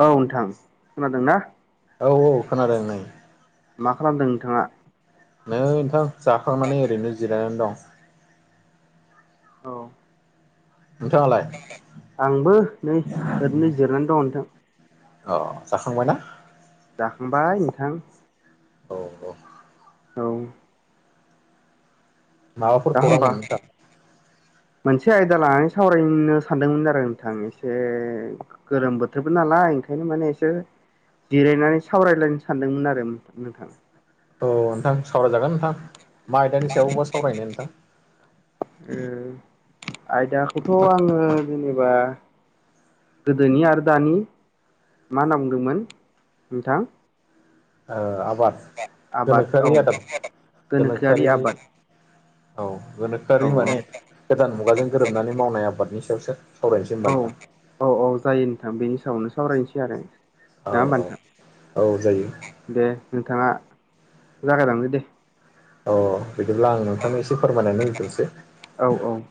औ नोंथां खोनादों ना? औ औ खोनादों नै। मा खालामदों नोंथाङा? नै नोंथां जाखांनानै ओरैनो जिरायनानै दं। औ। नोंथाङालाय आंबो नै ओरैनो जिरनानै दं नोंथां। अ जाखांबाय ना। जाखांबाय नोंथां। औ औ। औ। माबाफोर दा होनबा खौरांमोन नोंथां मोनसे आयदा लानानै सावरायनो सानदोंमोन आरो नोंथां एसे। गोरोम बोथोरबो नालाय ओंखायनो माने एसे। जिरायनानै सावरायलायनो सानदोंमोन आरो नोंथां औ नोंथां सावरायजागोन नोंथां। मा आयदानि सायावबा सावरायनो नोंथां द आयदाखौथ' आङो जेनेबा। गोदोनि आरो दानि मा होनना बुंदोंमोन नोंथां। आबाद आबाद औ गोनोखोआरि आदाद गोनोखोआरि। औ औ गोनोखआरारि माने गोदान मुगाजों गोरोबनानै मावनाय आबादनि सायावसो। सावरायनोसै होनबा औ नोंथां औ औ जायो नोंथां बेनि सायावनो सावरायनोसै आरो। औ ना होमबा नोंथां औ औ जायो। दे नोंथाङा जागायदांदो दे। अ बिदिब्ला आं नोंथांनो एसे फोरमायनानै लाफैनोसै औ औ।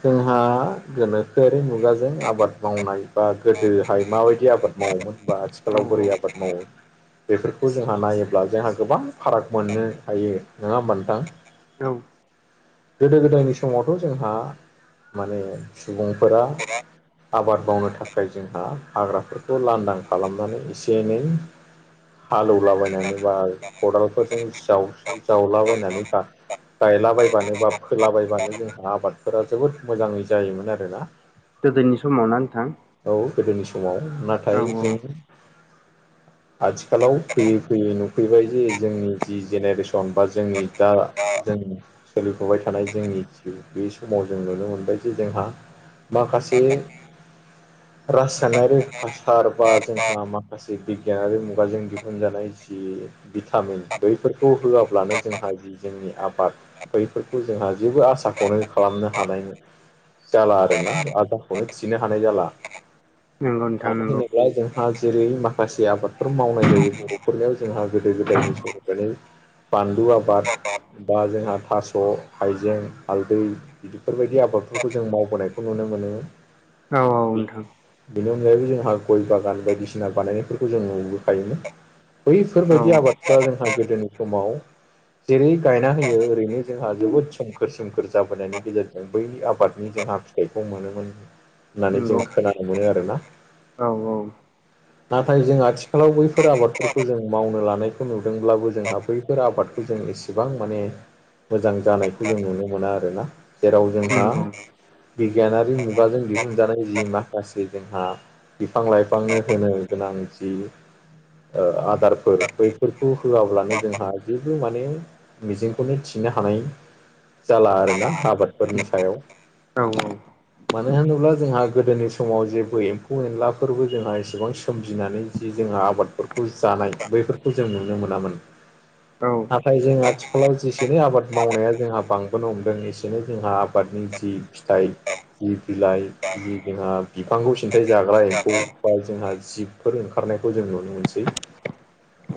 जोंहा गोनोखोआरि मुगाजों आबाद मावनाय बा गोदोहाय माबायदि आबाद मावोमोन। औ आथिखालाव औ बोरै आबाद मावो। बेफोरखौ जोंहा नायोब्ला जोंहा गोबां फाराग मोननो हायो नङा होनबा। औ। गोदो गोदायनि समावथ' जोंहा माने सुबुंफोरा। आबाद मावनो थाखाय जोंहा हाग्राफोरखौ लांदां खालामनानै एसे एनै हालेवलाबायनानै बा खदालफोरजों जाव जावलाबायनानै। गायलाबायबानो बा फोलाबायबानो जोंहा आबादफोरा जोबोद मोजाङै जायोमोन आरोना। गोदोनि समावनो नोंथां। औ गोदोनि समाव औ नाथाय औ जों। आथिखालाव फैयै फैयै नुफैबाय जे जोंनि जि जेनेरेसन बा जोंनि दा जों सोलिफुबाय थानाय जोंनि जिउ बे समाव जों नुनो मोनबाय जे जोंहा। माखासे रासायनारि हासार बा जोंहा माखासे। माखाै बिगियानारि मुगाजों दिहुनजानाय जि भिटामिन बैफोरखौ होआब्लानो जोंहा जि जोंनि आबाद बैफोरखौ जोंहा जेबो आसाखौनो खालामनो हानाय ना जाला आर ना आदाखौनो थिनो हानाय जाला नंगौ नोंथां नंगौ मानसिनोब्लाय हा जेरै माखासे आबादफोर मावनाय जायो। बर'फोरनियाव जोंहा गोदो गोदायनि समावफ्रायनो बानलु आबाद बा जोंहा थास' हाइजें हालदै फोरबायदि आबादफोरखौ जों मावबोनायखौ नुनो मोनो। औ औ नोंथां बेनि अनगायैबो जोंहा गय बागान बायदिसिना बानायनायफोरखौ जों नुबोखायोमोन। औ बैफोरबायदि आबादफ्रा जोंहा गोदोनि समाव जेरै गायना होयो ओरैनो जोंहा जोबोद सोमखोर सोमखोर जाबोनायनि गेजेरजों बैनि आबादनि जोंहा फि गाइगं मोनोमोन होननानै जों नंगौ खोनानो मोनो आरोना। औ औ नाथाय जों आथिखालाव बैफोर आबादफोरखौ जों मावनो लानायखौ नुदोंब्लाबो जोंहा बैफोर आबाद खौ जों इसेबां माने मोजां जानायखौ जों नुनो मोना आरोना जेराव जोंहा नंगौ बिगियानारि मुगाजों दिहुनजानाय जि मा गासै जोंहा बिफां लाइफांनो होनो गोनांथि आदारफोर बैफोरखौ होआब्लानो जोंहा जेबो माने मिजिंखौनो थिनो हानाय जाला आरोना आबादफोरनि सायाव औ औ मानो होनोब्ला जोंहा गोदोनि सम समाव जेबो एम्फौ एनलाफोरबो जोंहा एसेबां सोमजिनानै जि जोंहा आबादफोरखौ जानाय बैफोरखौ जों नुनो मोनामोन। औ। नाथाय जों आथिखालाव जेसेनि आबाद मावनाया जोंहा बांबोनो हमदों एसेनै जोंहा आबादनि जि फिथाइ जि बिलाइ जि जोंहा बिफांखौ सिन्थाइ जाग्रा एम्फौ बा जोंहा जिबफोर ओंखारनायखौ जों नुनो मोनसै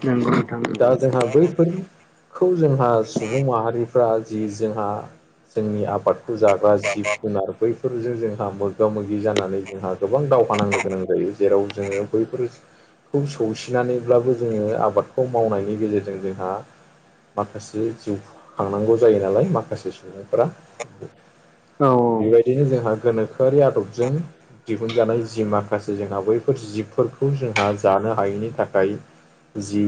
नंगौ नोंथां नंगौ दाजोंहाबो खौ जोंहा सुबुं माहारिफ्रा जि जोंहा जोंनि आबादखौ जाग्रा जिब जुनार बैफोरजों जोंहा मोगा मोगि जानानै जोंहा गोबां दावहा नांनो गोनां जायो जेराव जोङो बैफोर खौ सौसिनानैब्लाबो जोङो आबादखौ मावनायनि गेजेरजों जोंहा माखासे जिउ खांनांगौ जायो नालाय माखासे सुबुंफोरा औ बेबायदिनो जोंहा गोनोखोआरि आदबजों दिहुनजानाय जि माखासे जोंहा बैफोर जिबफोरखौ जोंहा जानो हायैनि थाखाय जि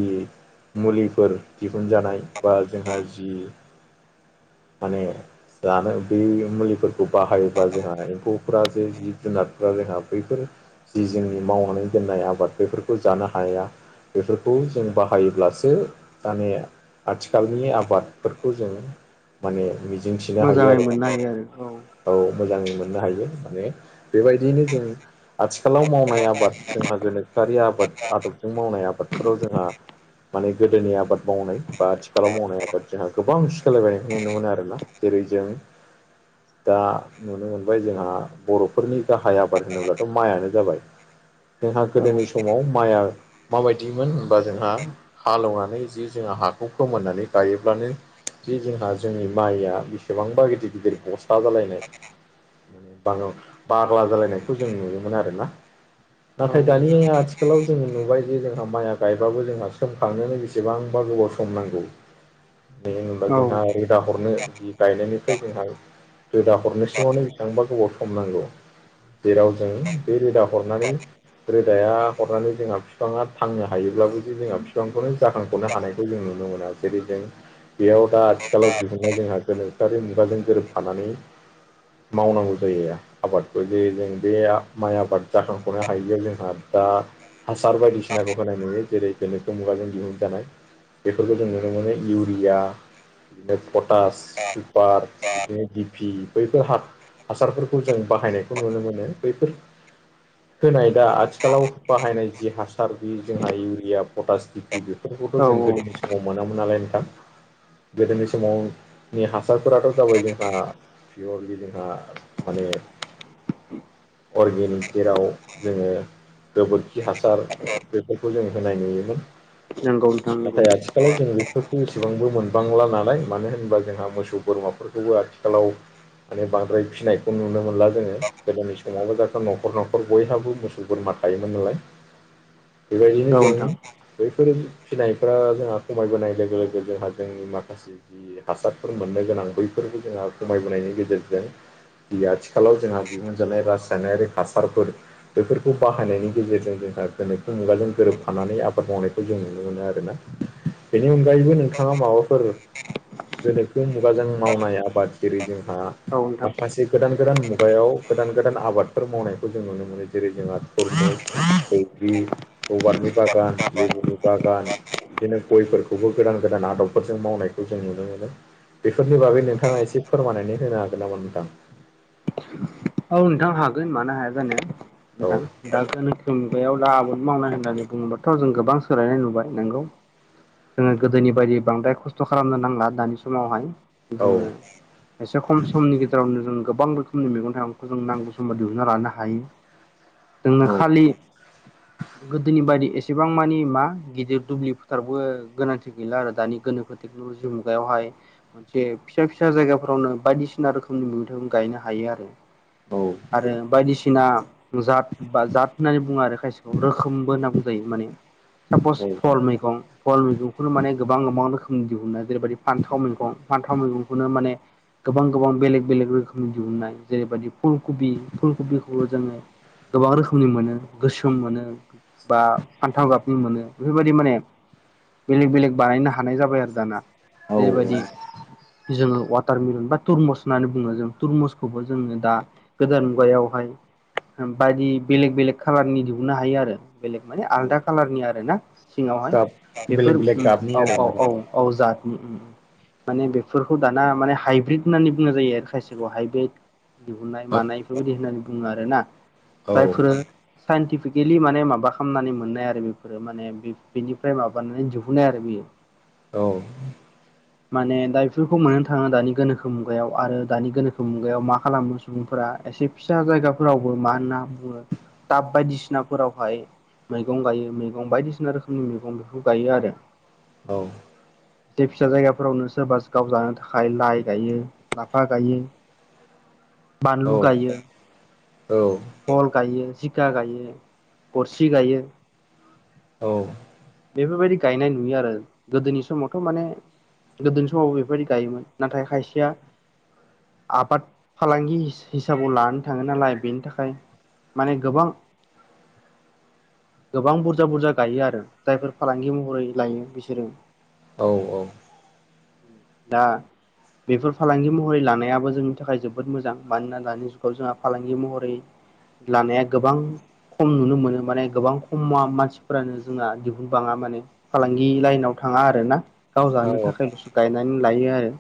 मुलिफोर दिहुनजानाय बा जोंहा जि माने जानो बे मुलिफोरखौ बाहायोबब्ला जोंहा एम्फौ जे जिब जुनार बा जोंहा बैफोर जि जोंनि मावनानै दोननाय आबाद बेफोरखौ जानो हाया। बेफोरखौ जों बाहायोब्लासो माने आथिखालनि आबादफोरखौ जों माने मिजिंथिनो हायो मोजाङै आरोना। मोननो हायो आरो औ मोजाङै मोननो हायो माने बेबायदियैनो जों आथिखालाव मावनाय आबाद जोंहा गोनोखोआरि आबाद आदबजों मावनाय आबादफोराव जोंहा माने गोदोनि आबाद मावनाय बा आथिखालाव मावनाय आबाद जोंहा गोबांखोलायबायनायखौ नुनो मोनो आरोना जेरै जों दा नुनो मोनबाय जोंहा बरफ फोरफोरनि गाहाय आबाद होनोब्लाथ' माइआनो जाबाय जोंहा औ गोदोनि समाव माइआ माबायदिमोन होमबा जोंहा हालेवनानै जि जोंहा हाखौ फोमोननानै गायोब्लानो जि जोंहा जोंनि माइया बेसेबांबा गिदिर गिदिर बस्ला जालायनाय ब बाग्ला जालायनायखौ जों नुयोमोन आरोना औ नाथाय दानिया आथिखालाव जोङो नुबाय जे जोंहा माइया गायबाबो जोंहा सोमखांनो बेसेबांबा गोबाव सम नांगौ। होनबा औ जोंहा रोदा हरनो जि गायनायनिफ्राय जोंहा रोदा हरनो सिङावनो बेसेबांबा गोबाव सम नांगौ जेराव जों बे रोदा हरनानै रोदाया हरनानै जोंहा बिफाङा थांनो हायोब्लाबो जे जोंहा बिफांखौनो जाखांफ'नो हानाय खौ जों नुनो मोना जेरै जों बेयाव दा आथिखालाव दिहुननाय जोंहा गोनखोआारि मुगाजों गोरोबफानानै मावनांगौ जायो आबादखौ जे जों बे माइ आबाद जाखांख'नो हायैयाव जोंहा दा हासार बायदिसिनाखौ होनाय नुयो जेरै बेनोथ मुगाजों दिहुन जानाय बेफोरखौ जों नुनो मोनो इउरिया बिदिनो पटास सुपार बिदिनो दिपि बैफोर हा हासारफोरखौ जों बाहायनायखौ नुनो मोनो बैफोर होनाय दा आथिखालाव बाहायनाय जि हासार बे जोंहा इउरिया पटास दिपिबो औ बेफोरखौथ' जों गोदोनि समाव मोनामोन नालाय नोंथां गोदोनि समाव नि हासारफोराथ' जाबाय जोंहा पियरलि जोंहा माने अर्गेनिक जेराव जोङो गोबोरखि हासार बेफोरखौ जों होनाय नुयोमोन। नंगौ नोंथां नंगौ नाथाय आथिखालाव जों बेफोरखौ एसेबांबो मोनबांला नालाय मानो होनोबा जोंहा मोसौ बोरमाफोरखौबो आथिखाल आथिखालाव माने बांद्राय फिसिनायखौ नुनो मोन मोनला जोङो गोदोनि समावबो दाथ' न'खर न'खर बयहाबो मोसौ बोरमा थायोमोन नालाय बेबायदिनो औ जोङो नोंथां बैफोर फिनायफोरा जोंहा खमायबोनाय लोगो लोगो जोंहा जोंनि माखासे जि हासारफोर मोननो गोनां बैफोरबो जोंहा खमायबोनायनि गेजेरजों जि आ थि आथिखालाव जोंहा दिहुनजानाय रासायनारि हासारफोर बेफोरखौ बाहायनायनि गेजेरजों जोंहा गोनोखो मुगाजों गोरोबफानानै आबाद मावनायखौ जों नुनो मोनो आरोना बेनि अनगायैबो नोंथाङा माबाफोर गोनोखो मुगाजों मावनाय आबादगिरि जोंहा औ नोंथां माखासे गोदान गोदान मुगायाव गोदान गोदान आबादफोर मावनायखौ जों नुनो मोनो जेरै जोंहा थुरमुस बैग्रि रबारनि बागान लेबुनि बागान बिदिनो गयफोरखौबो गोदान गोदान आदबफोरजों मावनायखौ जों नुनो मोनो। बेफोरनि बागै नोंथाङा एसे फोरमायनानै होनो हागोन नामा नोंथां? औ नोंथां हागोन मानो हाया जानो नोंथां। दा गोनोखो मुगायाव दा आबाद मावनाय होननानै बुङोबाथ' जों गोबां सोलायनाय नुबाय नोंगौ जोङो गोदोनि बायदि बांद्राय खस्थ' खालामनो नांला दानि समावहाय औ जोङो एसे खम समनि गेजेरावनो जों गोबां रोखोमनि मैगं थाइगं खौ जों नांगौ समाव दिहुनना लानो हायो। जोंनो औ खालि गोदोनि बायदि एसे एसेबां मानि मा गिदिर दुब्लि फोथारबो गोनांथि गैला आरो दानि गोनोखो [unintelligible] मुगायावहाय मोनसे फिसा फिसा जायगाफोरावनो बायदिसिना रोखोमनि मैगं गायनो हायो आरो। औ आरो बायदिसिना जात बा जाद होननानै बुङो आरो खायसेखौ रोखोमबो होनना बुंजायो माने सापस औ फल मैगं फल मैगंखौनो माने गोबां गोबां रोखोमनि दिहुनो जेरैबायदि फान्थाव मैगं फान्थाव मैगंखौनो माने गोबां गोबां बेलेग बेलेग रोखोमनि दिहुननाय जेरैबायदि फुलकबि फुलकबिखौ जोङो गोबां रोखोमनि मोनो गोसोम मोनो बा फान्थाव गाबनि मोनो बेफोरबायदि माने बेलेग बेलेग बानायनो हानाय जाबाय आरो दाना औ जेरैबायदि जोङो वाटार मिलन बा तटुरमुस होन्नानै बुङो जों थुरमुसखौबो जोङो दा गोदान मुगायावहाय बायदि बेलेग बेलेग खाालारनि दिहुननो हायो आरो। बेलेग माने औ आलदा कालारनि आर ना सिङावहाय गाब बेलेग बेफोर बेलेग गाबनि औ औ आरोना औ औजादनि माने बेफोरखौ दाना माने हाइब्रिद होननानै बुंनाय जायो आरो खायसेखौ हाइब्रिद गुनाय औ मानाय बेफोरबायाददि होननानै बुङो आर ना औ जायफोर साइन्टिफिकेलि माने माबा खालामनानै मोननाय आरो बेफोरो माने बेनिफ्राय माबानानै दिहुननाय आरो बेयो औ माने दा बेफोरखौ मोननो थाङो दानि गोनोखो मुगायाव आरो दानि गोनोखो मुगायाव मा खालामो। सुबुंफोरा एसे फिसा जायगाफोरावबो मा होनना बुङो टाब बायदिसिनाफोरावहाय मैगं गायो मैगं बायदिसिना रोखोमनि मैगं बेखौ गायो आरो। औ। फिसा फिसा जायगाफोरावनो सोरबा गाव जानो थाखाय लाइ गायो लाफा गायो। औ बानदलु गाययो औ फल गायो जिखा गायो गरसि गायो औ बेफोरबायदि गायनाय नुयो आरो गोदोनि समावथ' माने गोदोनि समावबो बेफोरदि गायोमोन नाथाय खायसेया आबाद फालांगि हि हिसाबाव लानो थाङो नालाय बेनि थाखाय माने गोबां गोबां बुरजा बुरजा गायो आरो जायफोर फालांगि महरै लायो बिसोरो औ औ दा बेफोर फालांगि महरै लानायाबो जोंनि थाखाय जोबोद मोजां। मानोना दानि जुगाव जोंहा फालांगि महरै लानाया गोबां खम नुनो मोनो माने गोबां खमा मानसिफोरानो जोंना दिहुनबाङा माने फालांगि लाइनाव थाङा आरो ना गाव जानो थाखाय बुस्थु गायनानै लायो आरो।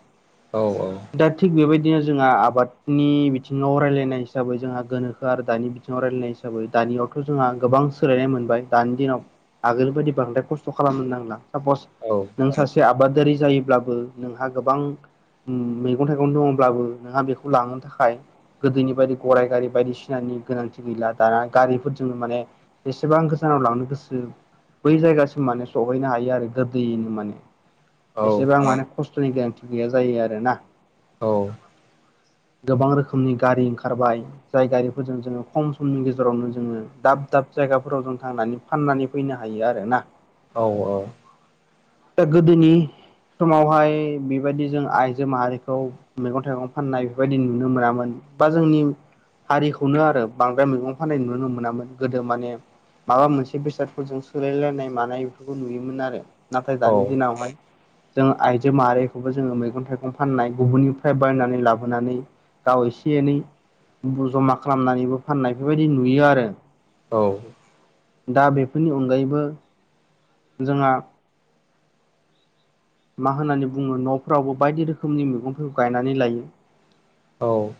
औ औ। दा थिग बेबायदिनो जोंहा आबाद नि बिथिङाव रायजलायनाय हिसाबै जोंहा गोनोखो आरो दानि बिथिङाव रायज्लायनाय हिसाबै दानियाव थ' जोंहा गोबां सोलायनाय मोनबाय दानि दिनाव आगोल बायदि बांद्राय खस्थ' खालामनो नांला सापस औ नों सासे आबादारि जायोब्लाबो नोंहा गोबां ओम मैगं थाइगं दंब्लाबो नोंहा बेखौ लांनो थाखाय गोदोनि बायदि गराइ गारि बायदिसिनानि गोनांथि गैला दाना गारिफोरजों माने एसेबां गोजानाव लांनो गोसो बै जायगासिम माने सहैनो हायो आरो गोदैयैनो माने एसेबां माने खस्थ'नि गोनांथि गैया जायो आरोना। औ गोबां रोखोमनि गारि ओंखारबाय। जायगारिफोरजों जोङो खम समनि गेजेरावनो जोङो दाब दाब जायगाफोराव जों थांनानै फाननानै फैनो हायो आरो ना। औ औ दा गोदोनि समावहाय बेबायदि जों आइजो माहारिखौ मैगं थाइगं फाननाय बेबायदि नुनो मोनामोन बा जोंनि हारिखौनो आरो बांद्राय मैगं फाननाय नुनो मोनामोन गोदो माने माबा मोनसे बेसादफोरजों सोलायलायनाय मानाय बेफोरखौ नुयोमोन आरो। नाथाय दानि दिनाव जों आइजो माहारिखौबो जोङो मैगं थाइगं फाननाय गुबुननिफ्राय बायनानै लाबो बोनानै गाव एसे एनै जमा खालामनानैबो फाननायफोरबायदि नुयो आरो। औ दा बेफोरनि अनगायैबो जोंहा मा होननानै बुङो न'फ्रावबो बायदि रोखोमनि मैगंफोरखौ गायनानै लायो। औ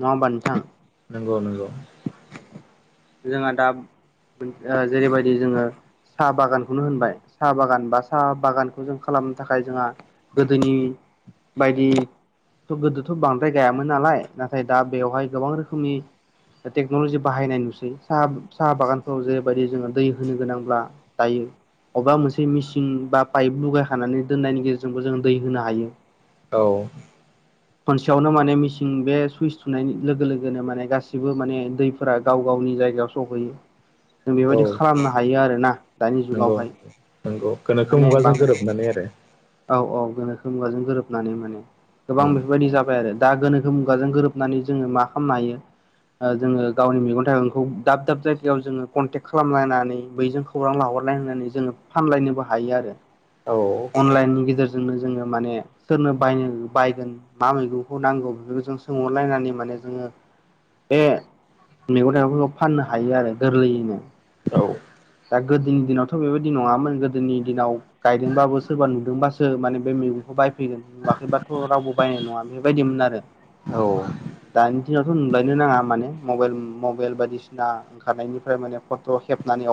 नङा होमबा नोंथां? नंगौ नंगौ जोंहा दा जेरैबायदि जोङो साहा बागानखौनो होनबाय साहा बागान बा साहा बागानखौ जों खालामनो थाखाय जोंहा गोदोनि बायदिथ' गोदोथ' बांद्राय गायामोन नालाय। नाथाय दा बेवहाय गोबां रोखोमनि टेक्न'लजि बाहायनाय नुसै साहा साहा बागानफोराव जेरैबायदि जोङो दै होनो गोनांब्ला जायो अबेबा मोनसे मेचिन बा पाइप लुगायखानानै दोननायनि गेजेरजोंबो जोङो दै होनो हायो। औ खनसेयावनो माने मिसिं बे सुइस थुनाय लोगो लोगोनो माने गासिबो माने दैफोरा गाव गावनि जायगायाव सहैयो जों औ बेबायदि खालामनो हायो आरो ना दानि नंगौ जुगावहाय नंगौ गोनोखो माने बां मुगाजों गोरोबनानै आरो औ औ गोनोखो मुगाजों गोरोबनानै माने गोबां उम बेफोरबायदि जाबाय आरो दा गोनोखो मुगाजों गोरोब हाबनानै जोङो मा खालामनो हायो ओ जोङो गावनि मेग थाइगंखौ दाब दाब जायगायाव जोङो कनटेक् खालामलायनानै बैजों खौरां लाहरनाय होननानै जोङो फानलायनोबो हायो आरो। अनलाइननि गेजेरजोंनो जोङो माने सोरनो बायनो बायगोन मा मैगंखौ नांगौ बेफोरखौ जों सोंहरलायनानै माने जोङो बे मैगं थाइगंफोरखौ फाननो हायो आरो गोरलैयैनो। औ दा गोदोनि दिनावथ' बेबायदि नङामोन गोदोनि दिनाव गायदोंबाबो सोरबा नुदोंबासो माने बे मैगंखौ बायफैगोन नुवाखैबाथ' रावबो बायनाय नङा बेबायदिमोन आरो औ दानि दिनावथ' नुलायनो नाङा माने मबाइल मबाइल बायदिसिना ओंखारनायनिफ्राय माने फट' खेबनानै